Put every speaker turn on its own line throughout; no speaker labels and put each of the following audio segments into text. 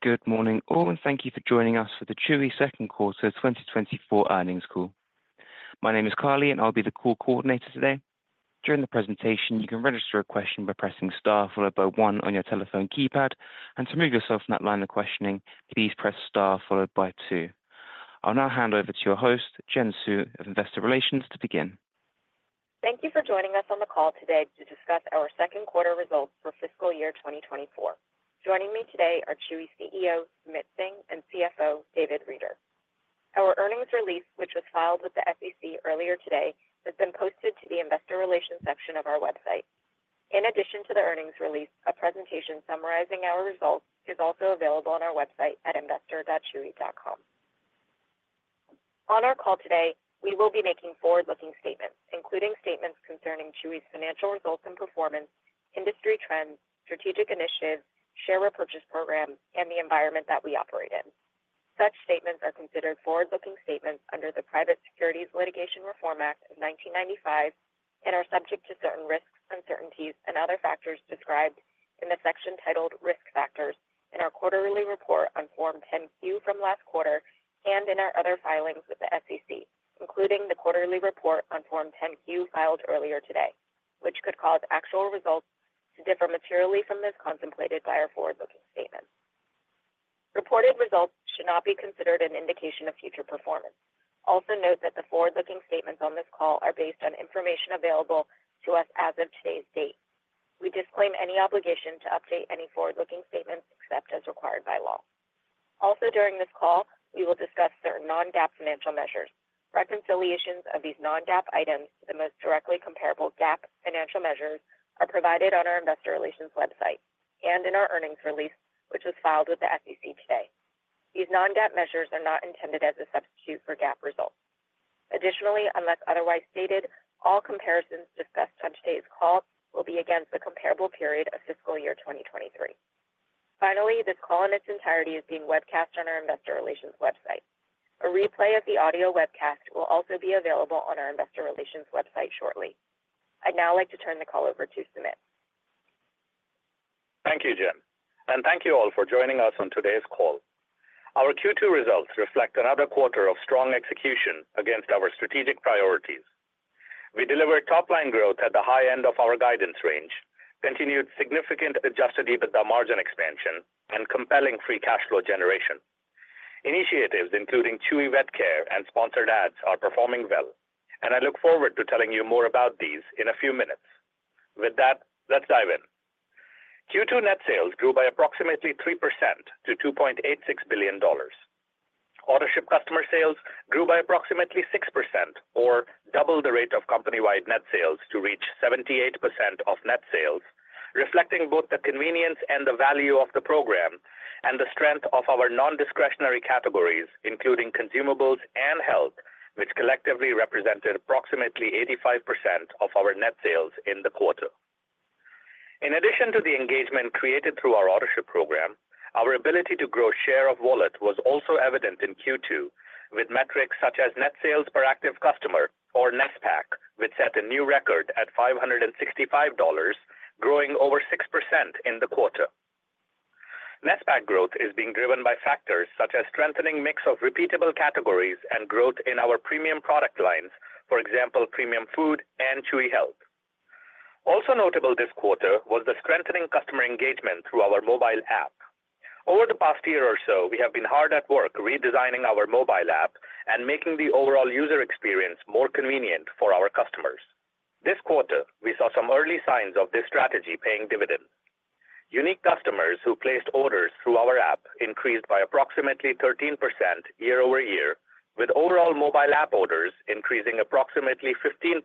Good morning, all, and thank you for joining us for the Chewy Second Quarter 2024 Earnings Call. My name is Carlie, and I'll be the call coordinator today. During the presentation, you can register a question by pressing star followed by one on your telephone keypad, and to remove yourself from that line of questioning, please press star followed by two. I'll now hand over to your host, Jen Hsu, of Investor Relations, to begin.
Thank you for joining us on the call today to discuss our second quarter results for fiscal year 2024. Joining me today are Chewy CEO, Sumit Singh, and CFO, David Reeder. Our earnings release, which was filed with the SEC earlier today, has been posted to the investor relations section of our website. In addition to the earnings release, a presentation summarizing our results is also available on our website at investor.chewy.com. On our call today, we will be making forward-looking statements, including statements concerning Chewy's financial results and performance, industry trends, strategic initiatives, share repurchase program, and the environment that we operate in. Such statements are considered forward-looking statements under the Private Securities Litigation Reform Act of 1995 and are subject to certain risks, uncertainties and other factors described in the section titled Risk Factors in our quarterly report on Form 10-Q from last quarter, and in our other filings with the SEC, including the quarterly report on Form 10-Q, filed earlier today, which could cause actual results to differ materially from those contemplated by our forward-looking statements. Reported results should not be considered an indication of future performance. Also note that the forward-looking statements on this call are based on information available to us as of today's date. We disclaim any obligation to update any forward-looking statements, except as required by law. Also, during this call, we will discuss certain non-GAAP financial measures. Reconciliations of these non-GAAP items to the most directly comparable GAAP financial measures are provided on our investor relations website and in our earnings release, which was filed with the SEC today. These non-GAAP measures are not intended as a substitute for GAAP results. Additionally, unless otherwise stated, all comparisons discussed on today's call will be against the comparable period of fiscal year 2023. Finally, this call in its entirety is being webcast on our investor relations website. A replay of the audio webcast will also be available on our investor relations website shortly. I'd now like to turn the call over to Sumit.
Thank you, Jen, and thank you all for joining us on today's call. Our Q2 results reflect another quarter of strong execution against our strategic priorities. We delivered top-line growth at the high end of our guidance range, continued significant Adjusted EBITDA margin expansion and compelling free cash flow generation. Initiatives including Chewy Vet Care and Sponsored Ads are performing well, and I look forward to telling you more about these in a few minutes. With that, let's dive in. Q2 net sales grew by approximately 3% to $2.86 billion. Autoship customer sales grew by approximately 6% or double the rate of company-wide net sales to reach 78% of net sales, reflecting both the convenience and the value of the program and the strength of our non-discretionary categories, including consumables and health, which collectively represented approximately 85% of our net sales in the quarter. In addition to the engagement created through our Autoship program, our ability to grow share of wallet was also evident in Q2, with metrics such as net sales per active customer or NSPAC, which set a new record at $565, growing over 6% in the quarter. NSPAC growth is being driven by factors such as strengthening mix of repeatable categories and growth in our premium product lines, for example, premium food and Chewy Health. Also notable this quarter was the strengthening customer engagement through our mobile app. Over the past year or so, we have been hard at work redesigning our mobile app and making the overall user experience more convenient for our customers. This quarter, we saw some early signs of this strategy paying dividends. Unique customers who placed orders through our app increased by approximately 13% year over year, with overall mobile app orders increasing approximately 15%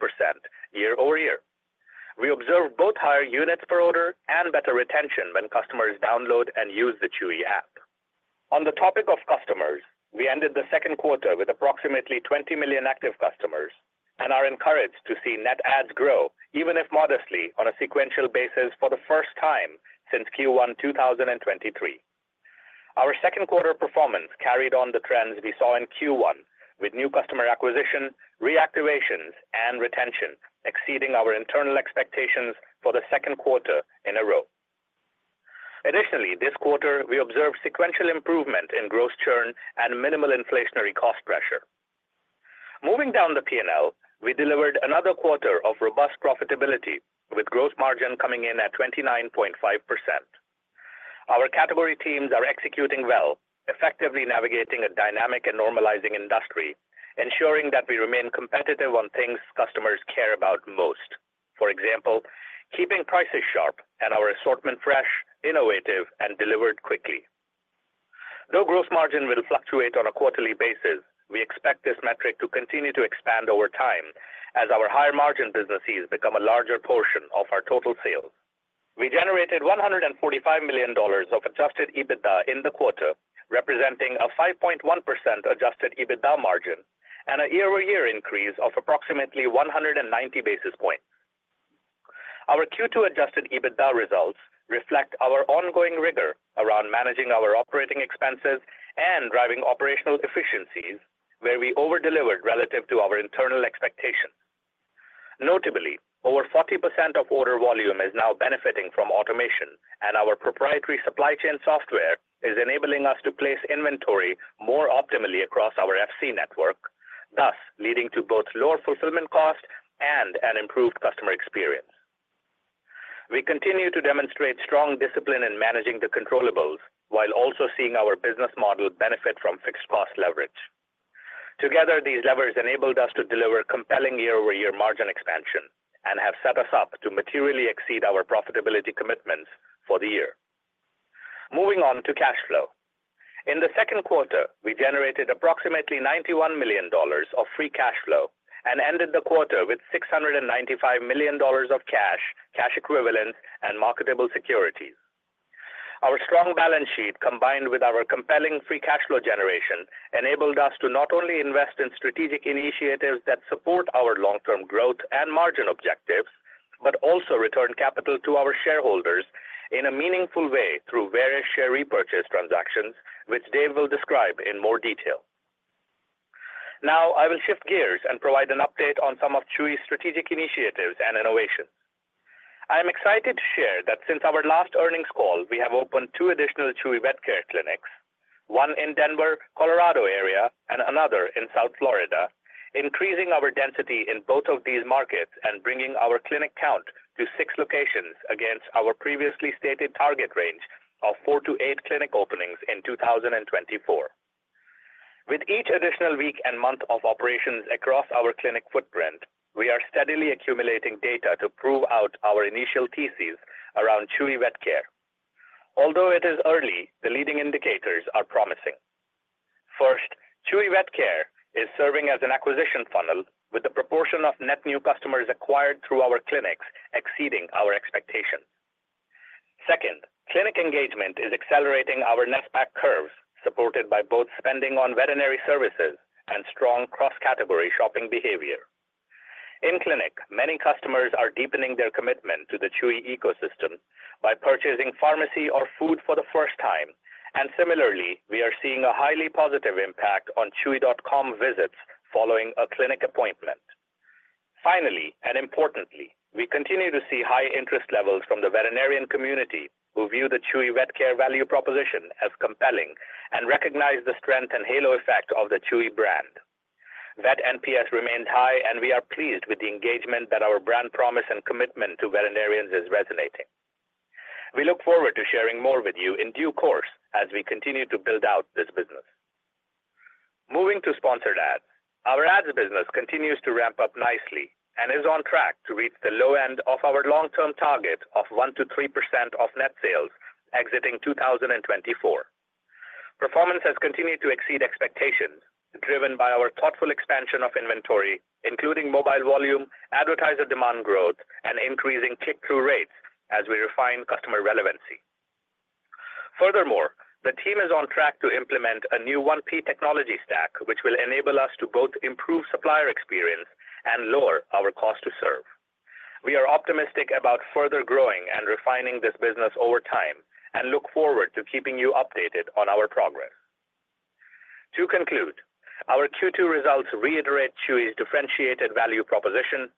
year over year. We observed both higher units per order and better retention when customers download and use the Chewy app. On the topic of customers, we ended the second quarter with approximately 20 million active customers and are encouraged to see net adds grow, even if modestly, on a sequential basis for the first time since Q1 2023. Our second quarter performance carried on the trends we saw in Q1 with new customer acquisition, reactivations, and retention exceeding our internal expectations for the second quarter in a row. Additionally, this quarter, we observed sequential improvement in gross churn and minimal inflationary cost pressure. Moving down the P&L, we delivered another quarter of robust profitability, with gross margin coming in at 29.5%. Our category teams are executing well, effectively navigating a dynamic and normalizing industry, ensuring that we remain competitive on things customers care about most. For example, keeping prices sharp and our assortment fresh, innovative, and delivered quickly. Though gross margin will fluctuate on a quarterly basis, we expect this metric to continue to expand over time as our higher-margin businesses become a larger portion of our total sales. We generated $145 million of Adjusted EBITDA in the quarter, representing a 5.1% Adjusted EBITDA margin and a year-over-year increase of approximately 190 basis points. Our Q2 Adjusted EBITDA results reflect our ongoing rigor around managing our operating expenses and driving operational efficiencies, where we over-delivered relative to our internal expectations. Notably, over 40% of order volume is now benefiting from automation, and our proprietary supply chain software is enabling us to place inventory more optimally across our FC network, thus leading to both lower fulfillment costs and an improved customer experience. We continue to demonstrate strong discipline in managing the controllables, while also seeing our business model benefit from fixed cost leverage. Together, these levers enabled us to deliver compelling year-over-year margin expansion and have set us up to materially exceed our profitability commitments for the year. Moving on to cash flow. In the second quarter, we generated approximately $91 million of free cash flow and ended the quarter with $695 million of cash, cash equivalents, and marketable securities. Our strong balance sheet, combined with our compelling free cash flow generation, enabled us to not only invest in strategic initiatives that support our long-term growth and margin objectives, but also return capital to our shareholders in a meaningful way through various share repurchase transactions, which Dave will describe in more detail. Now, I will shift gears and provide an update on some of Chewy's strategic initiatives and innovations. I am excited to share that since our last earnings call, we have opened two additional Chewy Vet Care clinics, one in Denver, Colorado, area and another in South Florida, increasing our density in both of these markets and bringing our clinic count to six locations against our previously stated target range of four to eight clinic openings in 2024. With each additional week and month of operations across our clinic footprint, we are steadily accumulating data to prove out our initial thesis around Chewy Vet Care. Although it is early, the leading indicators are promising. First, Chewy Vet Care is serving as an acquisition funnel, with the proportion of net new customers acquired through our clinics exceeding our expectations. Second, clinic engagement is accelerating our NSPAC curves, supported by both spending on veterinary services and strong cross-category shopping behavior. In clinic, many customers are deepening their commitment to the Chewy ecosystem by purchasing pharmacy or food for the first time, and similarly, we are seeing a highly positive impact on Chewy.com visits following a clinic appointment. Finally, and importantly, we continue to see high interest levels from the veterinarian community, who view the Chewy Vet Care value proposition as compelling and recognize the strength and halo effect of the Chewy brand. Vet NPS remains high, and we are pleased with the engagement that our brand promise and commitment to veterinarians is resonating. We look forward to sharing more with you in due course as we continue to build out this business. Moving to Sponsored Ads. Our ads business continues to ramp up nicely and is on track to reach the low end of our long-term target of 1%-3% of net sales exiting 2024 Performance has continued to exceed expectations, driven by our thoughtful expansion of inventory, including mobile volume, advertiser demand growth, and increasing click-through rates as we refine customer relevancy. Furthermore, the team is on track to implement a new 1P technology stack, which will enable us to both improve supplier experience and lower our cost to serve. We are optimistic about further growing and refining this business over time and look forward to keeping you updated on our progress. To conclude, our Q2 results reiterate Chewy's differentiated value proposition,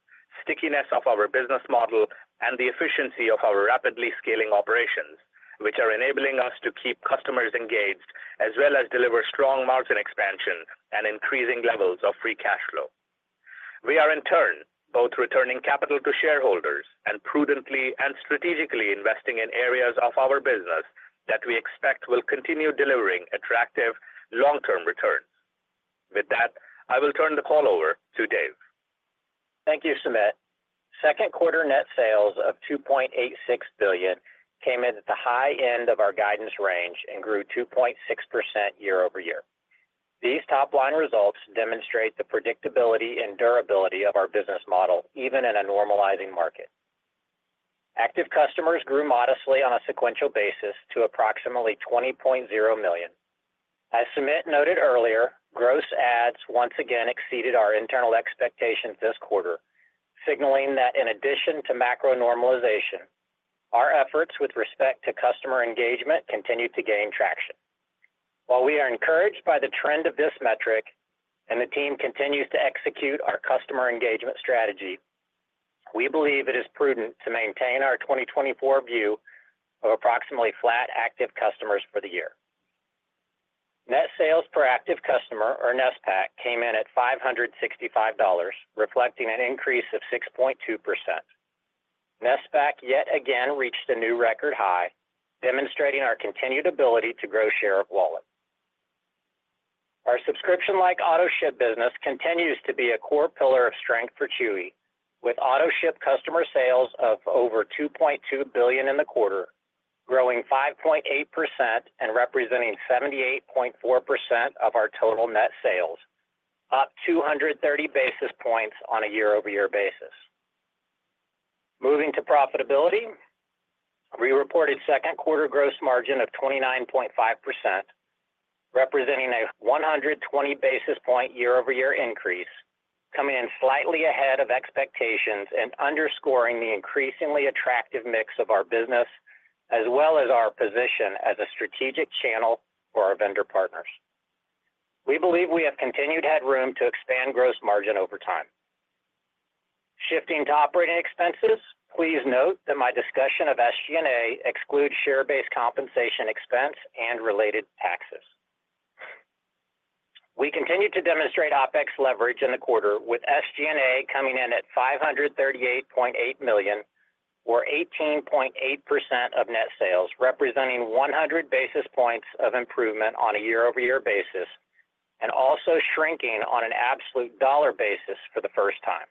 stickiness of our business model, and the efficiency of our rapidly scaling operations, which are enabling us to keep customers engaged, as well as deliver strong margin expansion and increasing levels of free cash flow. We are, in turn, both returning capital to shareholders and prudently and strategically investing in areas of our business that we expect will continue delivering attractive long-term returns. With that, I will turn the call over to Dave.
Thank you, Sumit. Second quarter net sales of $2.86 billion came in at the high end of our guidance range and grew 2.6% year over year. These top-line results demonstrate the predictability and durability of our business model, even in a normalizing market. Active customers grew modestly on a sequential basis to approximately 20.0 million. As Sumit noted earlier, gross adds once again exceeded our internal expectations this quarter, signaling that in addition to macro normalization, our efforts with respect to customer engagement continued to gain traction. While we are encouraged by the trend of this metric and the team continues to execute our customer engagement strategy, we believe it is prudent to maintain our 2024 view of approximately flat active customers for the year. Net sales per active customer, or NSPAC, came in at $565, reflecting an increase of 6.2%. NSPAC yet again reached a new record high, demonstrating our continued ability to grow share of wallet. Our subscription-like Autoship business continues to be a core pillar of strength for Chewy, with Autoship customer sales of over $2.2 billion in the quarter, growing 5.8% and representing 78.4% of our total net sales, up 230 basis points on a year-over-year basis. Moving to profitability. We reported second quarter gross margin of 29.5%, representing a 120 basis point year-over-year increase, coming in slightly ahead of expectations and underscoring the increasingly attractive mix of our business, as well as our position as a strategic channel for our vendor partners.... We believe we have continued headroom to expand gross margin over time. Shifting to operating expenses, please note that my discussion of SG&A excludes share-based compensation expense and related taxes. We continued to demonstrate OpEx leverage in the quarter, with SG&A coming in at $538.8 million, or 18.8% of net sales, representing 100 basis points of improvement on a year-over-year basis, and also shrinking on an absolute dollar basis for the first time.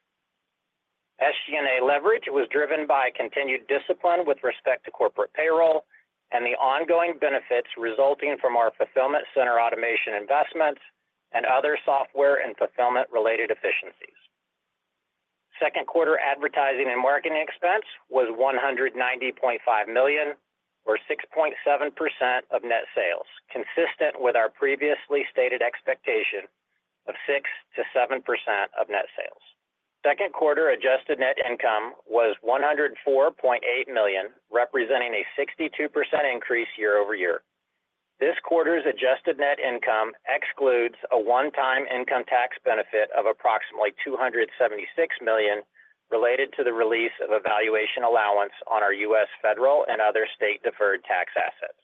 SG&A leverage was driven by continued discipline with respect to corporate payroll and the ongoing benefits resulting from our fulfillment center automation investments and other software and fulfillment-related efficiencies. Second quarter advertising and marketing expense was $190.5 million, or 6.7% of net sales, consistent with our previously stated expectation of 6%-7% of net sales. Second quarter adjusted net income was $104.8 million, representing a 62% increase year over year. This quarter's adjusted net income excludes a one-time income tax benefit of approximately $276 million related to the release of a valuation allowance on our U.S. federal and other state deferred tax assets.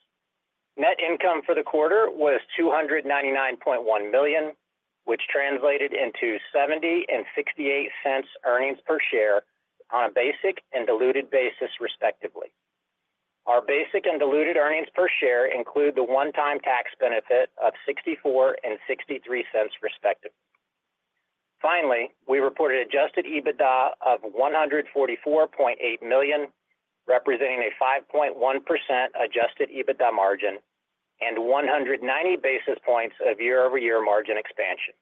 Net income for the quarter was $299.1 million, which translated into $0.70 and $0.68 earnings per share on a basic and diluted basis, respectively. Our basic and diluted earnings per share include the one-time tax benefit of $0.64 and $0.63, respectively. Finally, we reported Adjusted EBITDA of $144.8 million, representing a 5.1% Adjusted EBITDA margin and 190 basis points of year-over-year margin expansion.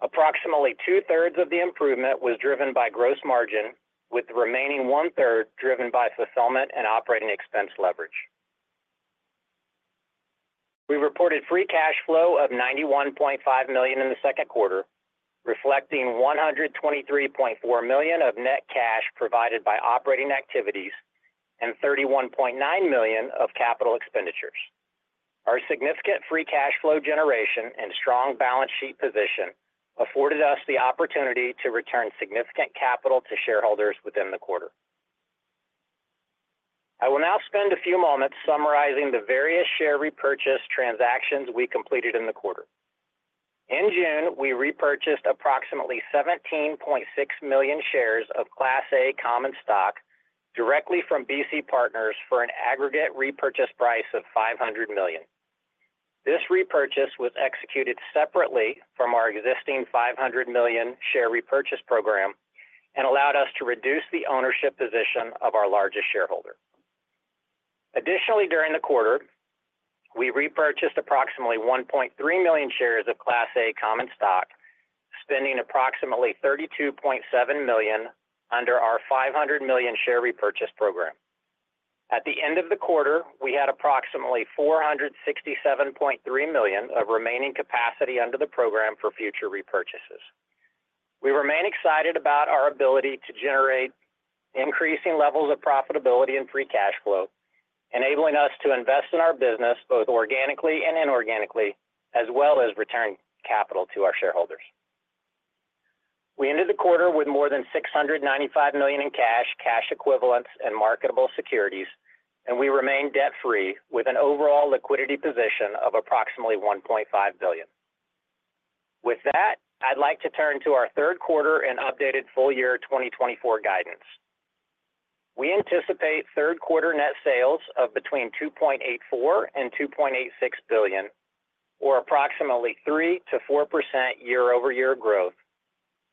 Approximately two-thirds of the improvement was driven by gross margin, with the remaining one-third driven by fulfillment and operating expense leverage. We reported free cash flow of $91.5 million in the second quarter, reflecting $123.4 million of net cash provided by operating activities and $31.9 million of capital expenditures. Our significant free cash flow generation and strong balance sheet position afforded us the opportunity to return significant capital to shareholders within the quarter. I will now spend a few moments summarizing the various share repurchase transactions we completed in the quarter. In June, we repurchased approximately 17.6 million shares of Class A common stock directly from BC Partners for an aggregate repurchase price of $500 million. This repurchase was executed separately from our existing $500 million share repurchase program and allowed us to reduce the ownership position of our largest shareholder. Additionally, during the quarter, we repurchased approximately 1.3 million shares of Class A common stock, spending approximately $32.7 million under our $500 million share repurchase program. At the end of the quarter, we had approximately $467.3 million of remaining capacity under the program for future repurchases. We remain excited about our ability to generate increasing levels of profitability and free cash flow, enabling us to invest in our business, both organically and inorganically, as well as return capital to our shareholders. We ended the quarter with more than $695 million in cash, cash equivalents, and marketable securities, and we remain debt-free, with an overall liquidity position of approximately $1.5 billion. With that, I'd like to turn to our third quarter and updated full year 2024 guidance. We anticipate third quarter net sales of between $2.84 billion and $2.86 billion, or approximately 3%-4% year-over-year growth,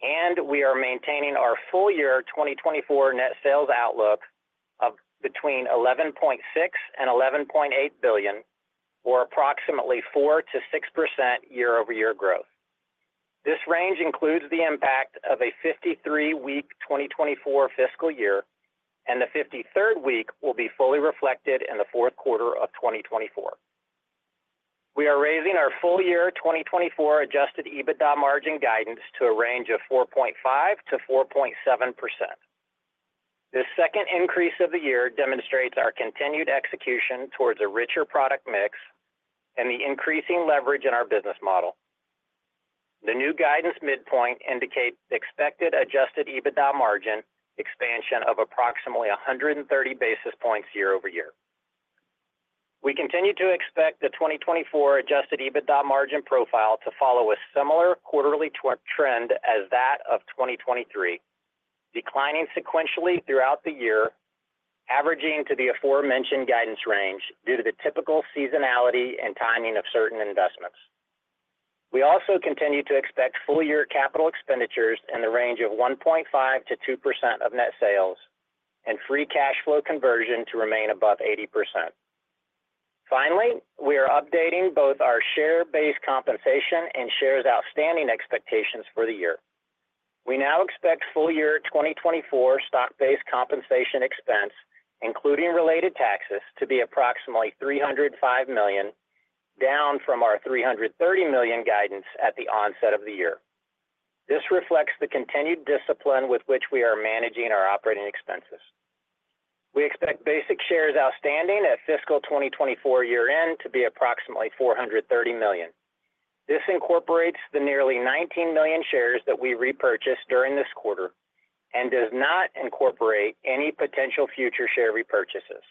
and we are maintaining our full year 2024 net sales outlook of between $11.6 billion and $11.8 billion, or approximately 4%-6% year-over-year growth. This range includes the impact of a 53-week 2024 fiscal year, and the 53rd week will be fully reflected in the fourth quarter of 2024. We are raising our full year 2024 Adjusted EBITDA margin guidance to a range of 4.5%-4.7%. This second increase of the year demonstrates our continued execution towards a richer product mix and the increasing leverage in our business model. The new guidance midpoint indicates expected Adjusted EBITDA margin expansion of approximately 130 basis points year over year. We continue to expect the 2024 Adjusted EBITDA margin profile to follow a similar quarterly trend as that of 2023, declining sequentially throughout the year, averaging to the aforementioned guidance range due to the typical seasonality and timing of certain investments. We also continue to expect full year capital expenditures in the range of 1.5%-2% of net sales and free cash flow conversion to remain above 80%. Finally, we are updating both our share-based compensation and shares outstanding expectations for the year. We now expect full-year 2024 stock-based compensation expense, including related taxes, to be approximately $305 million, down from our $330 million guidance at the onset of the year. This reflects the continued discipline with which we are managing our operating expenses. We expect basic shares outstanding at fiscal 2024 year-end to be approximately 430 million. This incorporates the nearly 19 million shares that we repurchased during this quarter and does not incorporate any potential future share repurchases.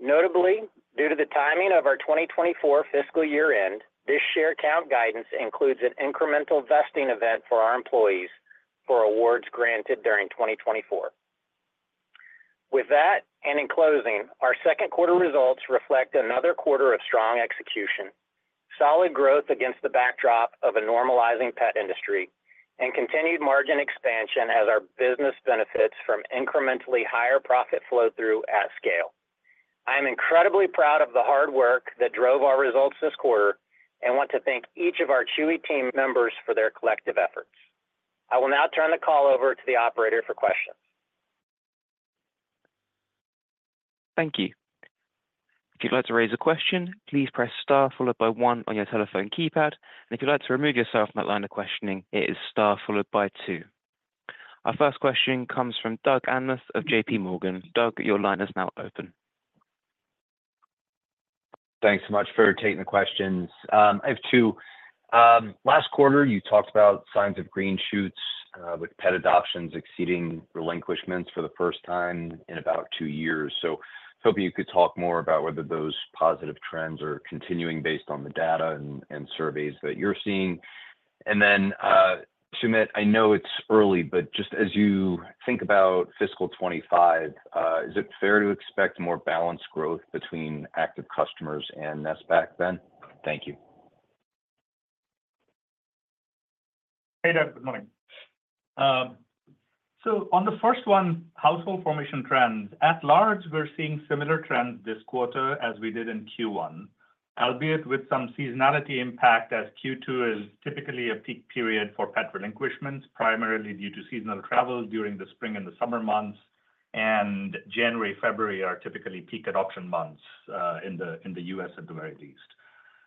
Notably, due to the timing of our 2024 fiscal year end, this share count guidance includes an incremental vesting event for our employees for awards granted during 2024. With that, and in closing, our second quarter results reflect another quarter of strong execution, solid growth against the backdrop of a normalizing pet industry, and continued margin expansion as our business benefits from incrementally higher profit flow-through at scale. I am incredibly proud of the hard work that drove our results this quarter, and want to thank each of our Chewy team members for their collective efforts. I will now turn the call over to the operator for questions.
Thank you. If you'd like to raise a question, please press Star followed by one on your telephone keypad. And if you'd like to remove yourself from that line of questioning, it is Star followed by two. Our first question comes from Doug Anmuth of J.P. Morgan. Doug, your line is now open.
Thanks so much for taking the questions. I have two. Last quarter, you talked about signs of green shoots, with pet adoptions exceeding relinquishments for the first time in about two years. So hoping you could talk more about whether those positive trends are continuing based on the data and surveys that you're seeing. And then, Sumit, I know it's early, but just as you think about fiscal 2025, is it fair to expect more balanced growth between active customers and NSPAC then? Thank you.
Hey, Doug, good morning. So on the first one, household formation trends. At large, we're seeing similar trends this quarter as we did in Q1, albeit with some seasonality impact, as Q2 is typically a peak period for pet relinquishments, primarily due to seasonal travel during the spring and the summer months, and January, February are typically peak adoption months in the U.S., at the very least.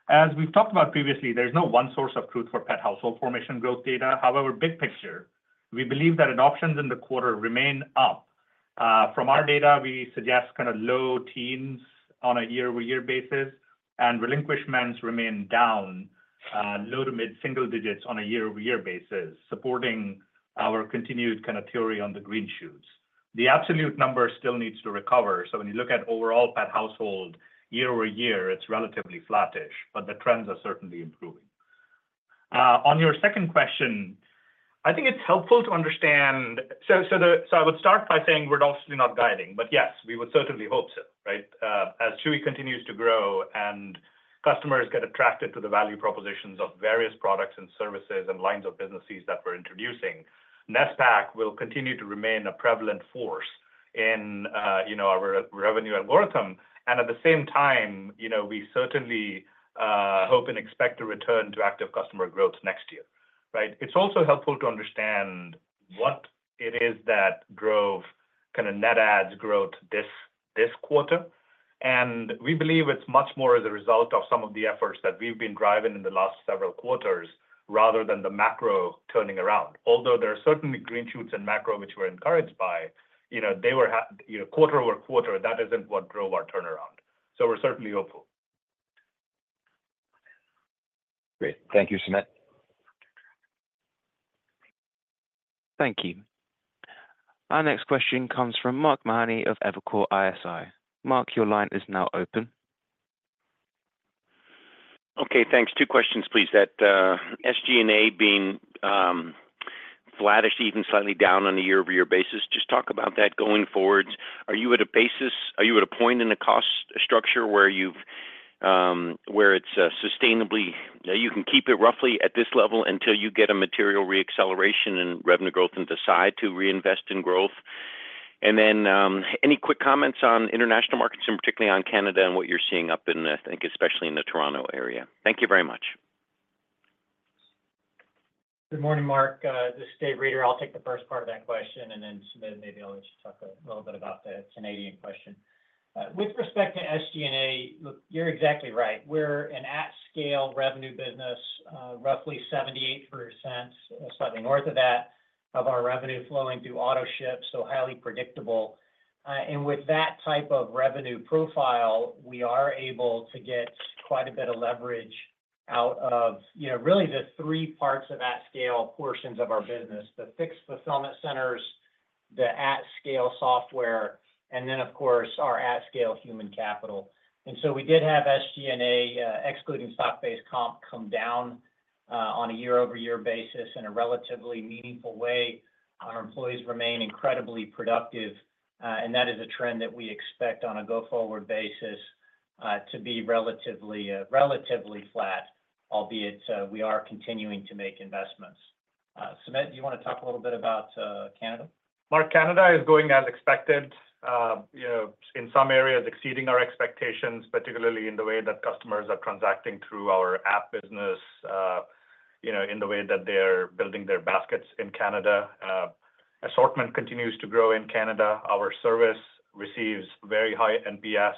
As we've talked about previously, there's no one source of truth for pet household formation growth data. However, big picture, we believe that adoptions in the quarter remain up. From our data, we suggest kind of low teens on a year-over-year basis, and relinquishments remain down, low to mid-single digits on a year-over-year basis, supporting our continued kind of theory on the green shoots. The absolute number still needs to recover, so when you look at overall pet household year over year, it's relatively flattish, but the trends are certainly improving. On your second question, I think it's helpful to understand. So, I would start by saying we're obviously not guiding, but yes, we would certainly hope so, right? As Chewy continues to grow and customers get attracted to the value propositions of various products and services and lines of businesses that we're introducing, NSPAC will continue to remain a prevalent force in, you know, our revenue and growth. And at the same time, you know, we certainly hope and expect to return to active customer growth next year, right? It's also helpful to understand what it is that drove kind of net adds growth this quarter. And we believe it's much more as a result of some of the efforts that we've been driving in the last several quarters, rather than the macro turning around. Although there are certainly green shoots in macro, which we're encouraged by, you know, they were you know, quarter over quarter, that isn't what drove our turnaround. So we're certainly hopeful.
Great. Thank you, Sumit.
Thank you. Our next question comes from Mark Mahaney of Evercore ISI. Mark, your line is now open.
Okay, thanks. Two questions, please. That, SG&A being, flattish, even slightly down on a year-over-year basis. Just talk about that going forward. Are you at a point in the cost structure where you've, where it's, sustainably, you can keep it roughly at this level until you get a material re-acceleration in revenue growth and decide to reinvest in growth? And then, any quick comments on international markets, and particularly on Canada, and what you're seeing up in, I think, especially in the Toronto area. Thank you very much.
Good morning, Mark, this is David Reeder. I'll take the first part of that question, and then Sumit, maybe I'll let you talk a little bit about the Canadian question. With respect to SG&A, look, you're exactly right. We're an at-scale revenue business, roughly 78%, slightly north of that, of our revenue flowing through Autoship, so highly predictable, and with that type of revenue profile, we are able to get quite a bit of leverage out of, you know, really the three parts of at-scale portions of our business: the fixed fulfillment centers, the at-scale software, and then, of course, our at-scale human capital, and so we did have SG&A, excluding stock-based comp, come down, on a year-over-year basis in a relatively meaningful way. Our employees remain incredibly productive, and that is a trend that we expect on a go-forward basis, to be relatively flat, albeit we are continuing to make investments. Sumit, do you wanna talk a little bit about Canada?
Mark, Canada is going as expected, you know, in some areas, exceeding our expectations, particularly in the way that customers are transacting through our app business, you know, in the way that they're building their baskets in Canada. Assortment continues to grow in Canada. Our service receives very high NPS,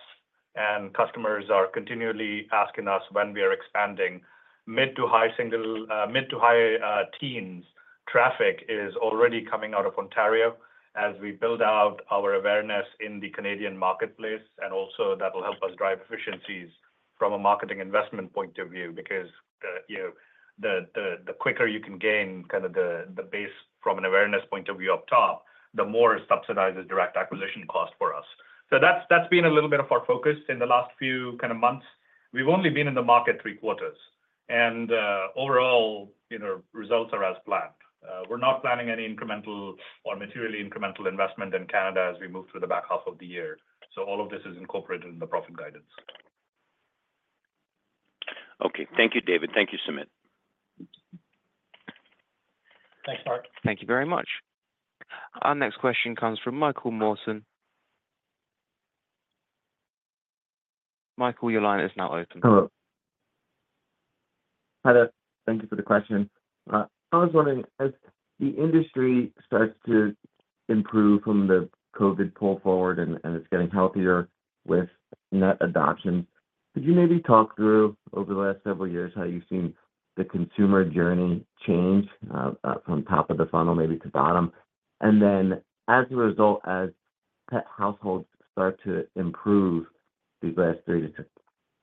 and customers are continually asking us when we are expanding. Mid- to high-single, mid- to high, teens traffic is already coming out of Ontario as we build out our awareness in the Canadian marketplace, and also that will help us drive efficiencies from a marketing investment point of view. Because, you know, the quicker you can gain kind of the base from an awareness point of view up top, the more it subsidizes direct acquisition cost for us. So that's been a little bit of our focus in the last few kind of months. We've only been in the market three quarters, and overall, you know, results are as planned. We're not planning any incremental or materially incremental investment in Canada as we move through the back half of the year, so all of this is incorporated in the profit guidance.
Okay. Thank you, David. Thank you, Sumit.
Thanks, Mark.
Thank you very much. Our next question comes from Michael Morton. Michael, your line is now open.
Hello. Hi there, thank you for the question. I was wondering, as the industry starts to improve from the COVID pull forward and it's getting healthier with net adoption, could you maybe talk through, over the last several years, how you've seen the consumer journey change from top of the funnel, maybe to bottom? Then as a result, as pet households start to improve these last three to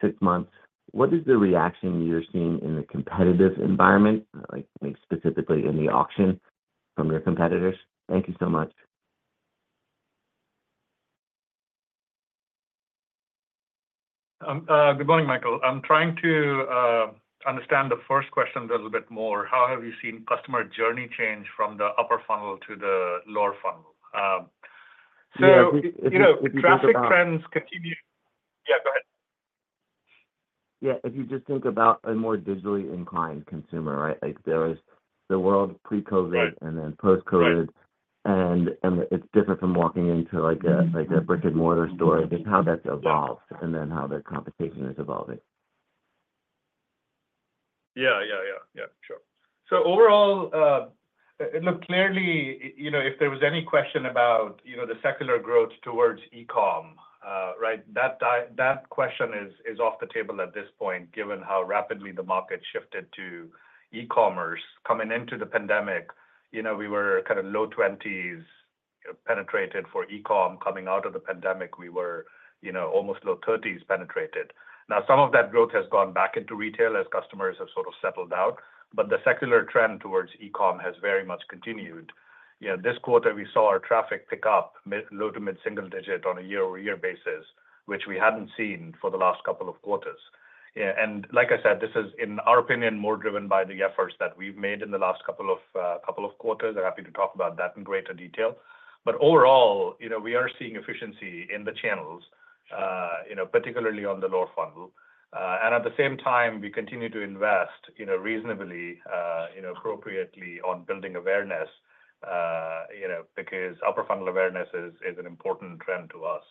six months, what is the reaction you're seeing in the competitive environment, like maybe specifically in the action from your competitors? Thank you so much.
Good morning, Michael. I'm trying to understand the first question a little bit more. How have you seen customer journey change from the upper funnel to the lower funnel? So, you know-
If you think about-
Traffic trends continue... Yeah, go ahead.
Yeah, if you just think about a more digitally inclined consumer, right? Like there is the world pre-COVID-
Right.
- and then post-COVID.
Right.
It's different from walking into like a brick-and-mortar store.
Mm-hmm.
Just how that's evolved.
Yeah.
and then how the competition is evolving.
Yeah, yeah, yeah. Yeah, sure. So overall, look, clearly, you know, if there was any question about, you know, the secular growth towards e-com, right, that question is off the table at this point, given how rapidly the market shifted to e-commerce. Coming into the pandemic, you know, we were kind of low twenties penetrated for e-com. Coming out of the pandemic, we were, you know, almost low thirties penetrated. Now, some of that growth has gone back into retail as customers have sort of settled out, but the secular trend towards e-com has very much continued. You know, this quarter, we saw our traffic pick up mid-low to mid-single-digit on a year-over-year basis, which we hadn't seen for the last couple of quarters. Yeah, and like I said, this is, in our opinion, more driven by the efforts that we've made in the last couple of quarters. I'm happy to talk about that in greater detail. But overall, you know, we are seeing efficiency in the channels, you know, particularly on the lower funnel. And at the same time, we continue to invest, you know, reasonably, you know, appropriately on building awareness, you know, because upper funnel awareness is an important trend to us.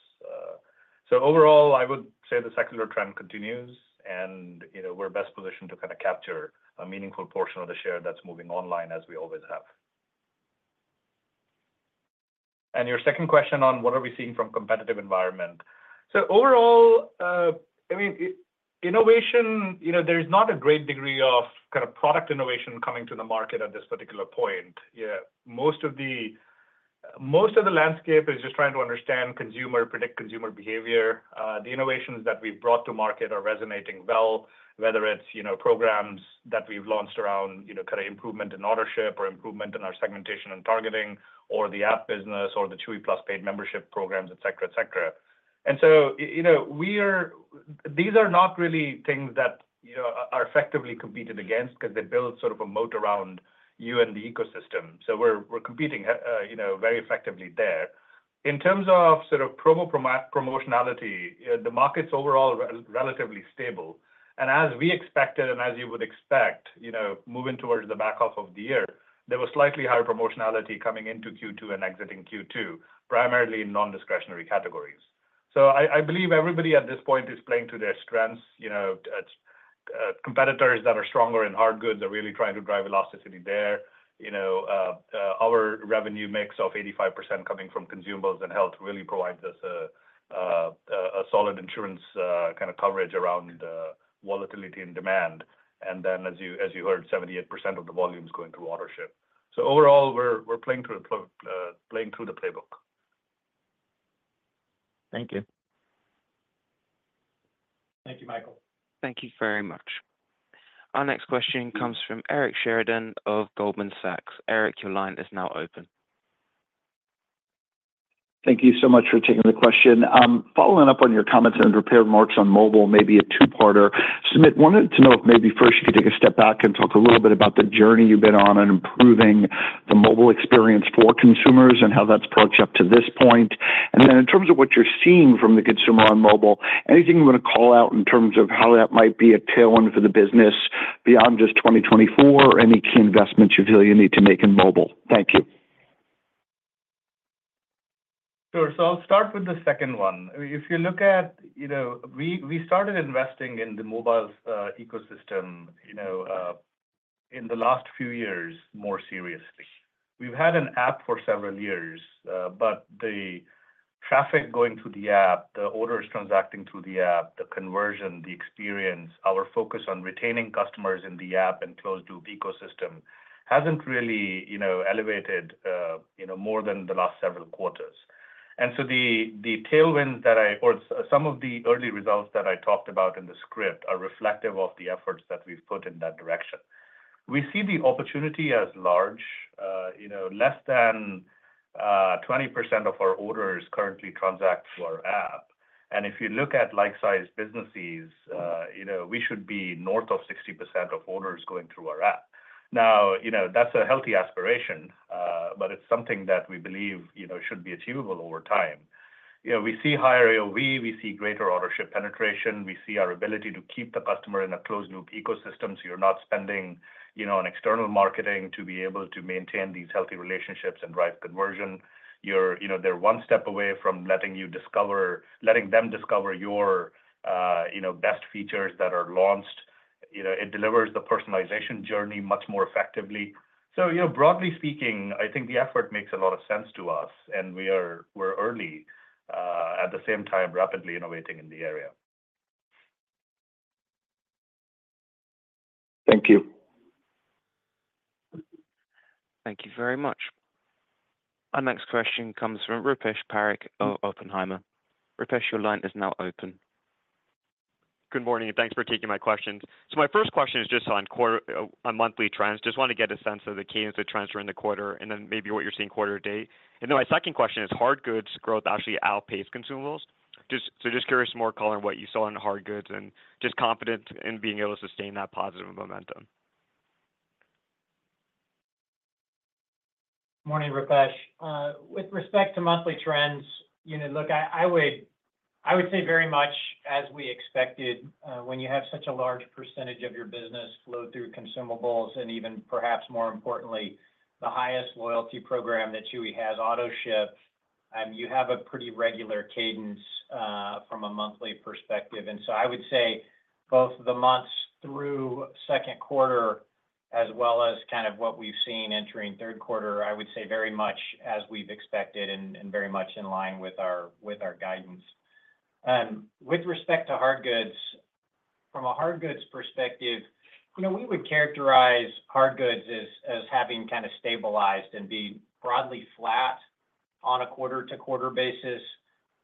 So overall, I would say the secular trend continues, and, you know, we're best positioned to kind of capture a meaningful portion of the share that's moving online, as we always have. And your second question on what are we seeing from competitive environment? So overall, I mean, innovation, you know, there's not a great degree of kind of product innovation coming to the market at this particular point. Yeah, most of the landscape is just trying to understand consumer, predict consumer behavior. The innovations that we've brought to market are resonating well, whether it's, you know, programs that we've launched around, you know, kind of improvement in ownership or improvement in our segmentation and targeting, or the app business, or the Chewy Plus paid membership programs, et cetera, et cetera. And so you know, we are. These are not really things that, you know, are effectively competed against because they build sort of a moat around you and the ecosystem, so we're competing, you know, very effectively there. In terms of sort of promotionality, the market's overall relatively stable. As we expected, and as you would expect, you know, moving towards the back half of the year, there was slightly higher promotionality coming into Q2 and exiting Q2, primarily in non-discretionary categories. I believe everybody at this point is playing to their strengths. You know, competitors that are stronger in hard goods are really trying to drive elasticity there. You know, our revenue mix of 85% coming from consumables and health really provides us a solid insurance kind of coverage around volatility and demand. Then, as you heard, 78% of the volume is going through Autoship. Overall, we're playing through the playbook.
Thank you.
Thank you, Michael.
Thank you very much. Our next question comes from Eric Sheridan of Goldman Sachs. Eric, your line is now open.
Thank you so much for taking the question. Following up on your comments and prepared remarks on mobile, maybe a two-parter. Sumit, wanted to know if maybe first you could take a step back and talk a little bit about the journey you've been on in improving the mobile experience for consumers and how that's progressed up to this point. And then in terms of what you're seeing from the consumer on mobile, anything you want to call out in terms of how that might be a tailwind for the business beyond just 2024, or any key investments you feel you need to make in mobile? Thank you.
Sure. So I'll start with the second one. If you look at you know, we started investing in the mobile ecosystem you know in the last few years, more seriously. We've had an app for several years, but the traffic going through the app, the orders transacting through the app, the conversion, the experience, our focus on retaining customers in the app and closed-loop ecosystem hasn't really you know elevated you know more than the last several quarters. And so the tailwind that I or some of the early results that I talked about in the script are reflective of the efforts that we've put in that direction. We see the opportunity as large. You know, less than 20% of our orders currently transact through our app, and if you look at like-sized businesses, you know, we should be north of 60% of orders going through our app. Now, you know, that's a healthy aspiration, but it's something that we believe, you know, should be achievable over time. You know, we see higher AOV, we see greater ownership penetration, we see our ability to keep the customer in a closed-loop ecosystem, so you're not spending, you know, on external marketing to be able to maintain these healthy relationships and drive conversion. You're, you know, they're one step away from letting you discover, letting them discover your, you know, best features that are launched. You know, it delivers the personalization journey much more effectively. You know, broadly speaking, I think the effort makes a lot of sense to us, and we are early, at the same time, rapidly innovating in the area.
Thank you.
Thank you very much. Our next question comes from Rupesh Parikh of Oppenheimer. Rupesh, your line is now open.
Good morning, and thanks for taking my questions. So my first question is just on quarter, on monthly trends. Just want to get a sense of the cadence of trends during the quarter, and then maybe what you're seeing quarter to date. And then my second question is, hardgoods growth actually outpaced consumables. So just curious more color on what you saw on the hardgoods and just confident in being able to sustain that positive momentum.
Morning, Rupesh. With respect to monthly trends, you know, look, I would say very much as we expected, when you have such a large percentage of your business flow through consumables, and even perhaps more importantly, the highest loyalty program that Chewy has, Autoship, you have a pretty regular cadence, from a monthly perspective. And so I would say both the months through second quarter, as well as kind of what we've seen entering third quarter, I would say very much as we've expected and very much in line with our guidance. With respect to hard goods, from a hard goods perspective, you know, we would characterize hard goods as having kind of stabilized and being broadly flat on a quarter-to-quarter basis.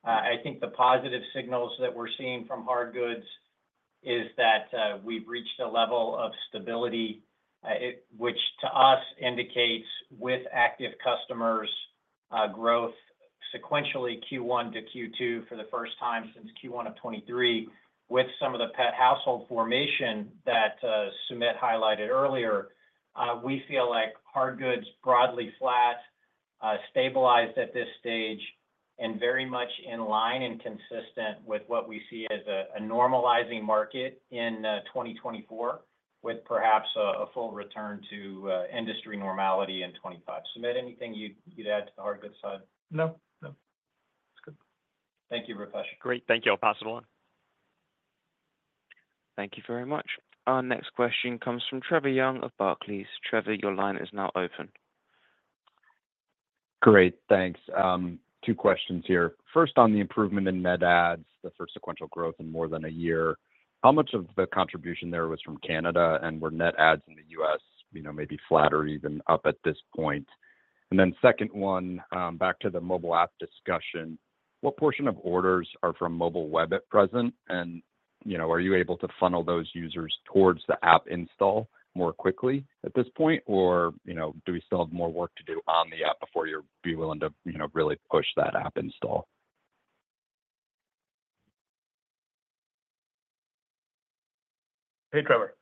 I think the positive signals that we're seeing from hard goods is that we've reached a level of stability, which to us indicates with active customers growth sequentially Q1 to Q2 for the first time since Q1 of 2023, with some of the pet household formation that Sumit highlighted earlier. We feel like hard goods, broadly flat, stabilized at this stage, and very much in line and consistent with what we see as a normalizing market in 2024, with perhaps a full return to industry normality in 2025. Sumit, anything you'd add to the hard goods side?
No. No. It's good.
Thank you, Rupesh.
Great. Thank you. I'll pass it on.
Thank you very much. Our next question comes from Trevor Young of Barclays. Trevor, your line is now open.
Great, thanks. Two questions here. First, on the improvement in net ads, the first sequential growth in more than a year, how much of the contribution there was from Canada? And were net ads in the U.S., you know, maybe flat or even up at this point? And then second one, back to the mobile app discussion: What portion of orders are from mobile web at present? And, you know, are you able to funnel those users towards the app install more quickly at this point, or, you know, do we still have more work to do on the app before you're be willing to, you know, really push that app install?
Hey, Trevor.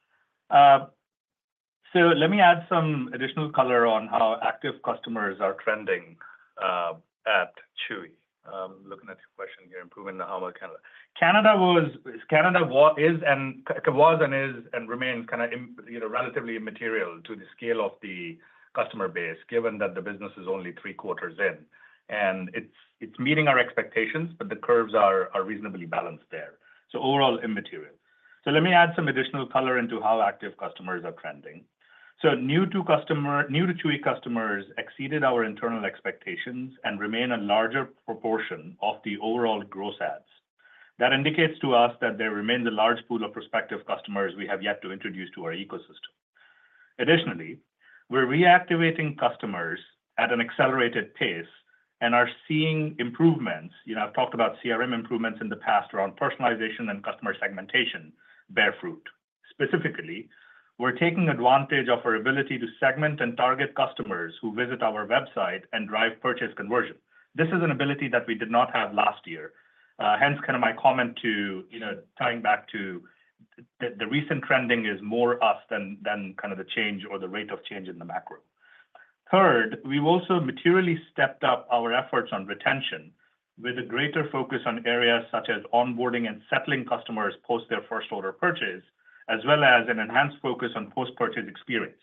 So let me add some additional color on how active customers are trending at Chewy. Looking at your question here, improving the how about Canada. Canada was and is and remains kind of, you know, relatively immaterial to the scale of the customer base, given that the business is only three quarters in. And it's meeting our expectations, but the curves are reasonably balanced there. So overall, immaterial. Let me add some additional color into how active customers are trending. New to Chewy customers exceeded our internal expectations and remain a larger proportion of the overall gross adds. That indicates to us that there remains a large pool of prospective customers we have yet to introduce to our ecosystem. Additionally, we're reactivating customers at an accelerated pace and are seeing improvements. You know, I've talked about CRM improvements in the past around personalization and customer segmentation, bear fruit. Specifically, we're taking advantage of our ability to segment and target customers who visit our website and drive purchase conversion. This is an ability that we did not have last year. Hence, kind of my comment to, you know, tying back to the recent trending is more us than kind of the change or the rate of change in the macro. Third, we've also materially stepped up our efforts on retention, with a greater focus on areas such as onboarding and settling customers post their first order purchase, as well as an enhanced focus on post-purchase experience,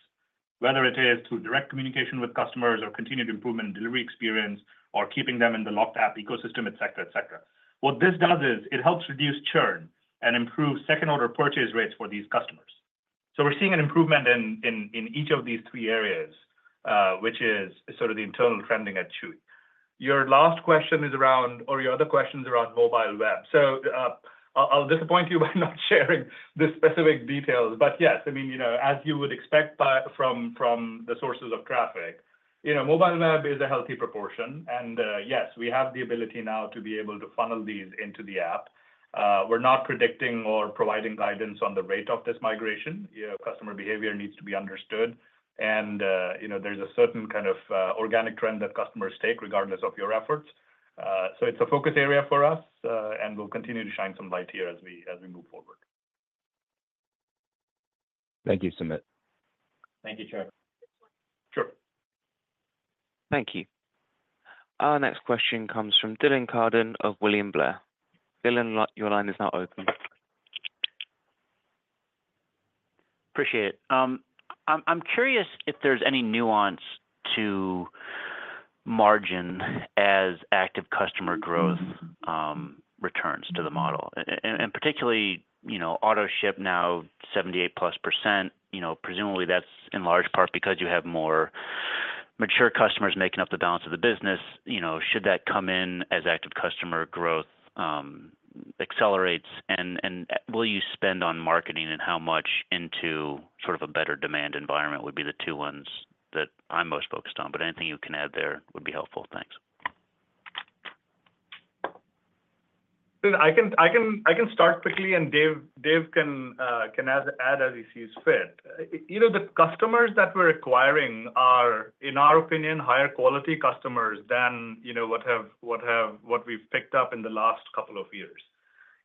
whether it is through direct communication with customers or continued improvement in delivery experience, or keeping them in the locked app ecosystem, et cetera, et cetera. What this does is, it helps reduce churn and improve second order purchase rates for these customers. So we're seeing an improvement in each of these three areas, which is sort of the internal trending at Chewy. Your last question is around... Or your other question is around mobile web. So, I'll disappoint you by not sharing the specific details, but yes, I mean, you know, as you would expect by from the sources of traffic, you know, mobile web is a healthy proportion. And, yes, we have the ability now to be able to funnel these into the app. We're not predicting or providing guidance on the rate of this migration. You know, customer behavior needs to be understood, and, you know, there's a certain kind of organic trend that customers take, regardless of your efforts. So it's a focus area for us, and we'll continue to shine some light here as we move forward.
Thank you, Sumit.
Thank you, Trevor.
Sure.
Thank you. Our next question comes from Dylan Carden of William Blair. Dylan, your line is now open.
Appreciate it. I'm curious if there's any nuance to margin as active customer growth returns to the model. And particularly, you know, Autoship now 78% plus, you know, presumably that's in large part because you have more mature customers making up the balance of the business. You know, should that come in as active customer growth accelerates, and will you spend on marketing, and how much into sort of a better demand environment, would be the two ones that I'm most focused on, but anything you can add there would be helpful. Thanks.
I can start quickly, and Dave can add as he sees fit. You know, the customers that we're acquiring are, in our opinion, higher quality customers than, you know, what we've picked up in the last couple of years.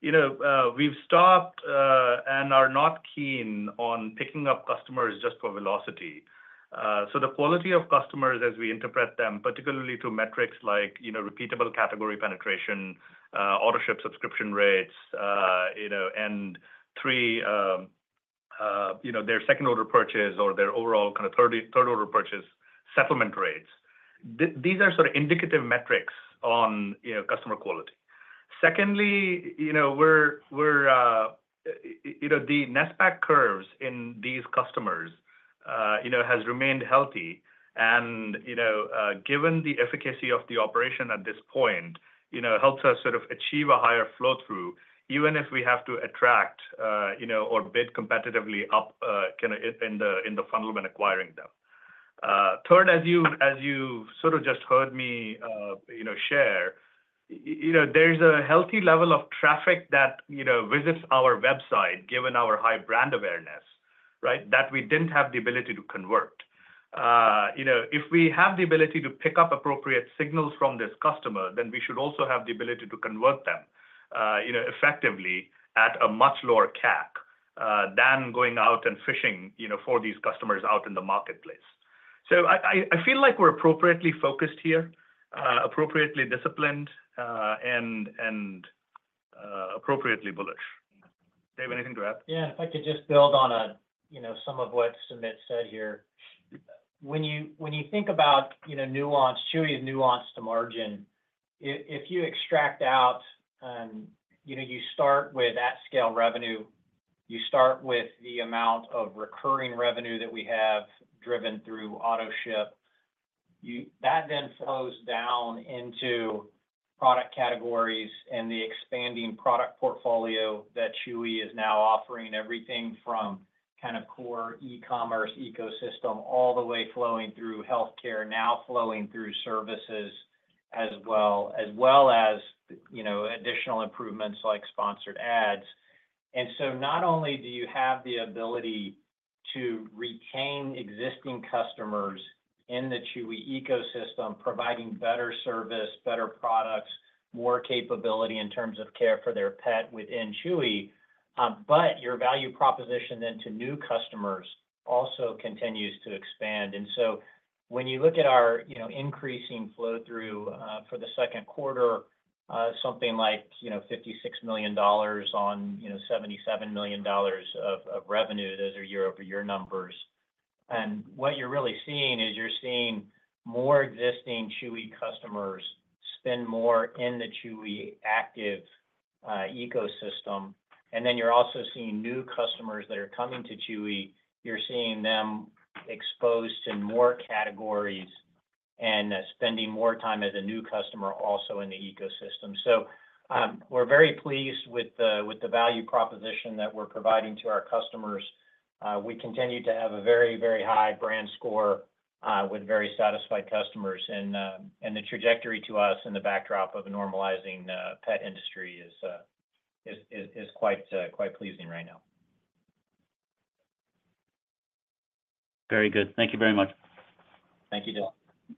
You know, we've stopped and are not keen on picking up customers just for velocity. So the quality of customers as we interpret them, particularly through metrics like, you know, repeatable category penetration, Autoship subscription rates, you know, and their second order purchase or their overall kind of third order purchase settlement rates. These are sort of indicative metrics on, you know, customer quality. Secondly, you know, we're, you know, the net spend curves in these customers, you know, has remained healthy. You know, given the efficacy of the operation at this point, you know, helps us sort of achieve a higher flow-through, even if we have to attract, you know, or bid competitively up, kind of in the funnel when acquiring them. Third, as you sort of just heard me, you know, share, you know, there's a healthy level of traffic that, you know, visits our website, given our high brand awareness, right? That we didn't have the ability to convert. You know, if we have the ability to pick up appropriate signals from this customer, then we should also have the ability to convert them, you know, effectively at a much lower CAC, than going out and fishing, you know, for these customers out in the marketplace. So I feel like we're appropriately focused here, appropriately disciplined, and appropriately bullish. Dave, anything to add?
Yeah, if I could just build on, you know, some of what Sumit said here. When you, when you think about, you know, nuance, Chewy is nuance to margin. If, if you extract out and, you know, you start with at scale revenue, you start with the amount of recurring revenue that we have driven through Autoship, you that then flows down into product categories and the expanding product portfolio that Chewy is now offering everything from kind of core e-commerce ecosystem, all the way flowing through healthcare, now flowing through services as well. As well as, you know, additional improvements like Sponsored Ads. And so not only do you have the ability to retain existing customers in the Chewy ecosystem, providing better service, better products, more capability in terms of care for their pet within Chewy, but your value proposition then to new customers also continues to expand. And so when you look at our, you know, increasing flow-through, for the second quarter, something like, you know, $56 million on, you know, $77 million of revenue, those are year-over-year numbers. And what you're really seeing is you're seeing more existing Chewy customers spend more in the Chewy active ecosystem, and then you're also seeing new customers that are coming to Chewy. You're seeing them exposed to more categories and spending more time as a new customer also in the ecosystem. We're very pleased with the value proposition that we're providing to our customers. We continue to have a very, very high brand score with very satisfied customers. The trajectory to us in the backdrop of a normalizing pet industry is quite, quite pleasing right now.
Very good. Thank you very much.
Thank you, Dylan.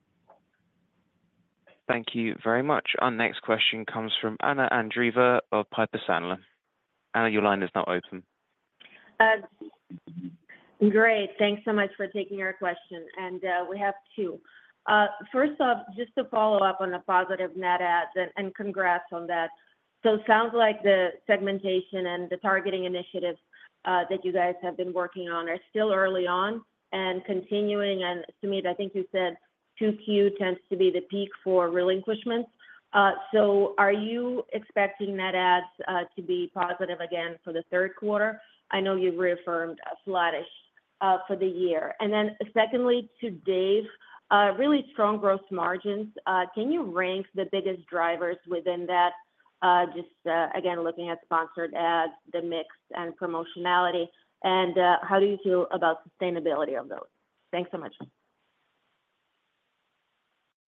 Thank you very much. Our next question comes from Anna Andreeva of Piper Sandler. Anna, your line is now open.
Great. Thanks so much for taking our question, and we have two. First off, just to follow up on the positive net adds, and congrats on that. So it sounds like the segmentation and the targeting initiatives that you guys have been working on are still early on and continuing. And Sumit, I think you said 2Q tends to be the peak for relinquishment. So are you expecting net adds to be positive again for the third quarter? I know you've reaffirmed flattish for the year. And then secondly, to Dave, really strong gross margins. Can you rank the biggest drivers within that? Just again, looking at Sponsored Ads, the mix and promotionality, and how do you feel about sustainability of those? Thanks so much.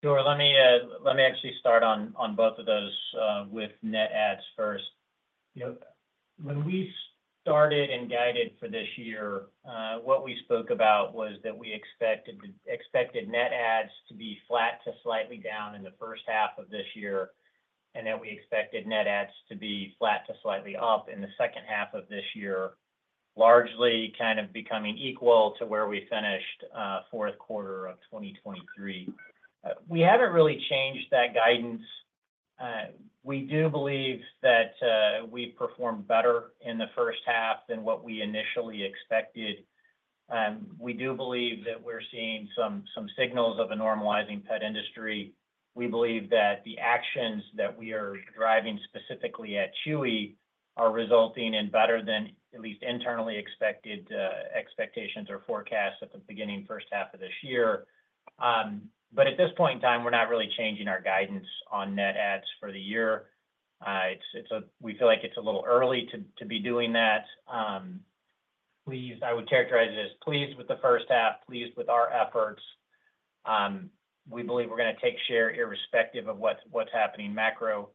Sure. Let me actually start on both of those with net adds first. You know, when we started and guided for this year, what we spoke about was that we expected net adds to be flat to slightly down in the first half of this year, and that we expected net adds to be flat to slightly up in the second half of this year, largely kind of becoming equal to where we finished fourth quarter of twenty twenty-three. We haven't really changed that guidance. We do believe that we performed better in the first half than what we initially expected. And we do believe that we're seeing some signals of a normalizing pet industry. We believe that the actions that we are driving, specifically at Chewy, are resulting in better than at least internally expected expectations or forecasts at the beginning first half of this year, but at this point in time, we're not really changing our guidance on net adds for the year. It's a little early to be doing that. Pleased, I would characterize it as pleased with the first half, pleased with our efforts. We believe we're gonna take share irrespective of what's happening macro,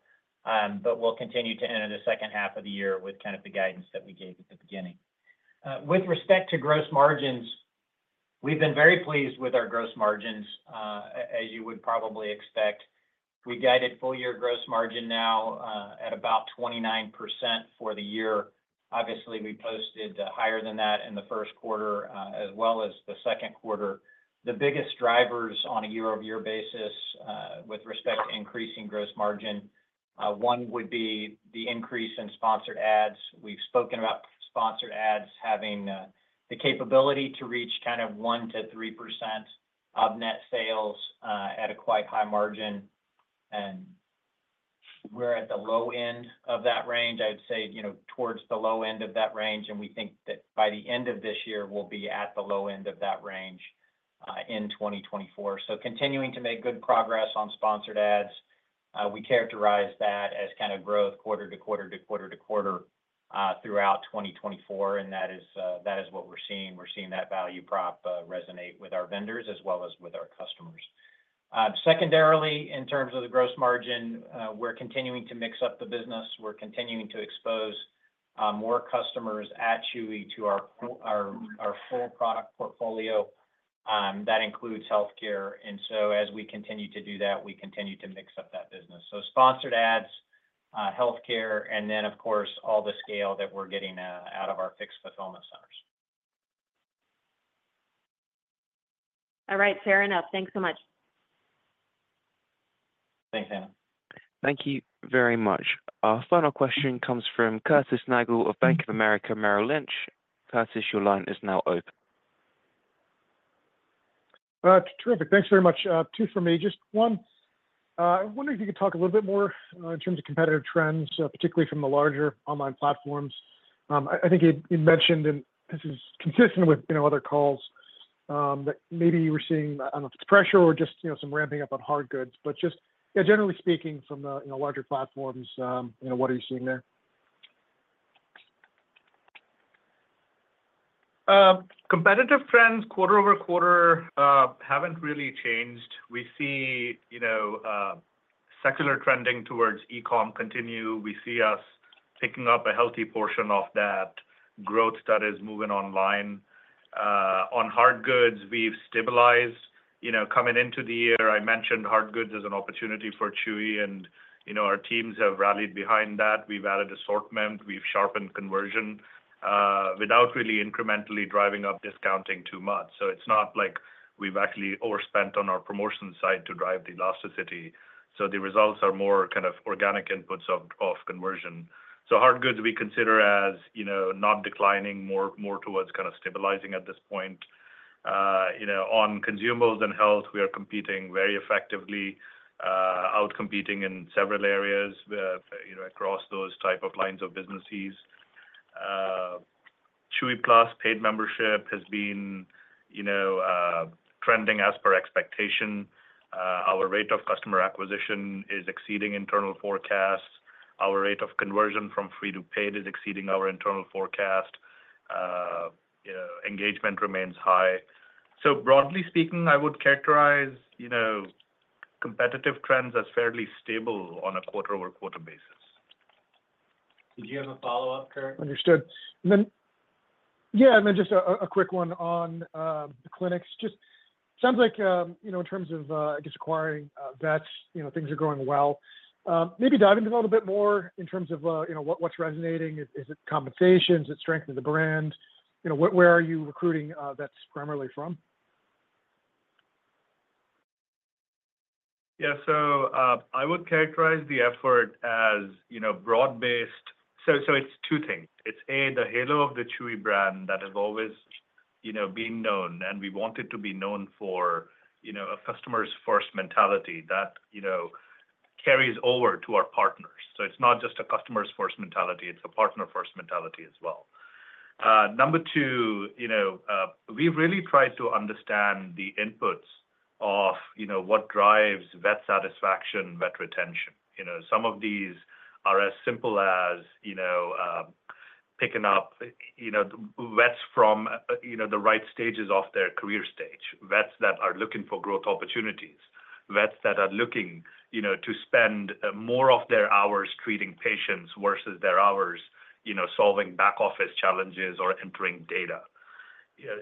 but we'll continue to enter the second half of the year with kind of the guidance that we gave at the beginning. With respect to gross margins, we've been very pleased with our gross margins, as you would probably expect. We guided full year gross margin now at about 29% for the year. Obviously, we posted higher than that in the first quarter as well as the second quarter. The biggest drivers on a year-over-year basis with respect to increasing gross margin, one would be the increase in Sponsored Ads. We've spoken about Sponsored Ads having the capability to reach kind of 1%-3% of net sales at a quite high margin, and we're at the low end of that range. I'd say, you know, towards the low end of that range, and we think that by the end of this year, we'll be at the low end of that range in 2024. So continuing to make good progress on Sponsored Ads. We characterize that as kind of growth quarter to quarter to quarter to quarter throughout 2024, and that is, that is what we're seeing. We're seeing that value prop resonate with our vendors as well as with our customers. Secondarily, in terms of the gross margin, we're continuing to mix up the business. We're continuing to expose more customers at Chewy to our full product portfolio. That includes healthcare, and so as we continue to do that, we continue to mix up that business. So Sponsored Ads, healthcare, and then, of course, all the scale that we're getting out of our fixed fulfillment centers.
All right, fair enough. Thanks so much.
Thanks, Anna.
Thank you very much. Our final question comes from Curtis Nagle of Bank of America Merrill Lynch. Curtis, your line is now open.
Terrific. Thanks very much. Two for me. Just one, I wonder if you could talk a little bit more in terms of competitive trends, particularly from the larger online platforms. I think you mentioned, and this is consistent with, you know, other calls, that maybe you were seeing, I don't know if it's pressure or just, you know, some ramping up on hard goods, but just, yeah, generally speaking, from the, you know, larger platforms, you know, what are you seeing there?
Competitive trends quarter over quarter haven't really changed. We see, you know, secular trending towards e-com continue. We see us picking up a healthy portion of that growth that is moving online. On hard goods, we've stabilized. You know, coming into the year, I mentioned hard goods as an opportunity for Chewy, and, you know, our teams have rallied behind that. We've added assortment, we've sharpened conversion without really incrementally driving up discounting too much. So it's not like we've actually overspent on our promotion side to drive the elasticity. So the results are more kind of organic inputs of conversion. So hard goods, we consider as, you know, not declining, more towards kind of stabilizing at this point. You know, on consumables and health, we are competing very effectively, outcompeting in several areas, you know, across those type of lines of businesses. Chewy Plus paid membership has been, you know, trending as per expectation. Our rate of customer acquisition is exceeding internal forecasts. Our rate of conversion from free to paid is exceeding our internal forecast. You know, engagement remains high. So broadly speaking, I would characterize, you know, competitive trends as fairly stable on a quarter over quarter basis.
Did you have a follow-up, Curtis?
Understood. Then, yeah, and then just a quick one on the clinics. Just sounds like, you know, in terms of, I guess acquiring, vets, you know, things are going well. Maybe dive into a little bit more in terms of, you know, what, what's resonating. Is it compensation? Is it strength of the brand? You know, where are you recruiting, vets primarily from?
Yeah. So, I would characterize the effort as, you know, broad-based. So, it's two things. It's, A, the halo of the Chewy brand that has always, you know, been known, and we want it to be known for, you know, a customer-first mentality that, you know, carries over to our partners. So it's not just a customer-first mentality, it's a partner-first mentality as well. Number two, you know, we really try to understand the inputs of, you know, what drives vet satisfaction, vet retention. You know, some of these are as simple as, you know, picking up, you know, vets from, you know, the right stages of their career stage. Vets that are looking for growth opportunities, vets that are looking, you know, to spend more of their hours treating patients versus their hours, you know, solving back office challenges or entering data.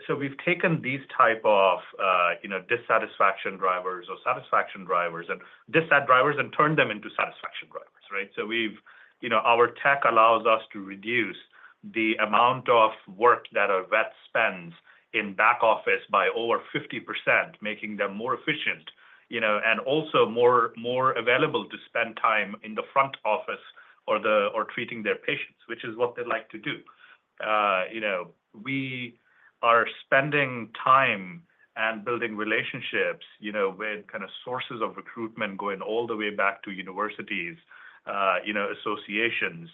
So we've taken these type of, you know, dissatisfaction drivers or satisfaction drivers and turned them into satisfaction drivers, right? So we've, you know, our tech allows us to reduce the amount of work that a vet spends in back office by over 50%, making them more efficient, you know, and also more available to spend time in the front office or treating their patients, which is what they like to do. You know, we are spending time and building relationships, you know, with kind of sources of recruitment going all the way back to universities, you know, associations,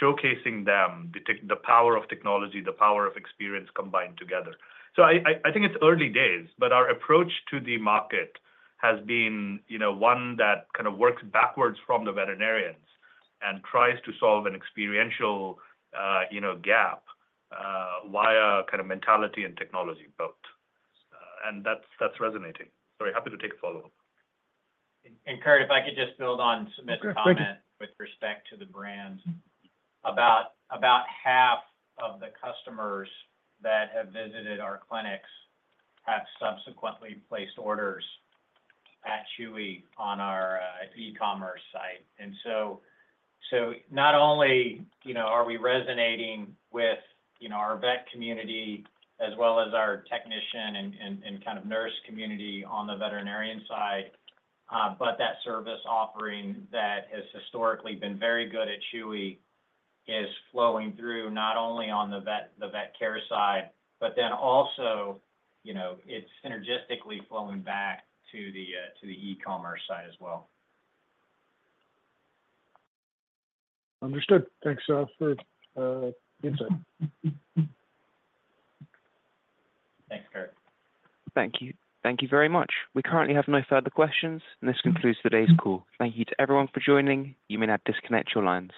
showcasing them, the power of technology, the power of experience combined together. So I think it's early days, but our approach to the market has been, you know, one that kind of works backwards from the veterinarians and tries to solve an experiential, you know, gap, via kind of mentality and technology both. And that's resonating. Sorry, happy to take a follow-up.
Curt, if I could just build on Sumit's comment-
Sure, please.
With respect to the brands. About half of the customers that have visited our clinics have subsequently placed orders at Chewy on our e-commerce site. And so not only, you know, are we resonating with, you know, our vet community as well as our technician and kind of nurse community on the veterinarian side, but that service offering that has historically been very good at Chewy is flowing through not only on the vet care side, but then also, you know, it's synergistically flowing back to the e-commerce side as well.
Understood. Thanks for the insight.
Thanks, Curtis.
Thank you. Thank you very much. We currently have no further questions, and this concludes today's call. Thank you to everyone for joining. You may now disconnect your lines.